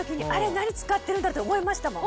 何使ってるんだろう？って思いましたもん。